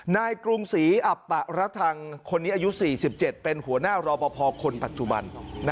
กรุงศรีอับปะระทังคนนี้อายุ๔๗เป็นหัวหน้ารอปภคนปัจจุบัน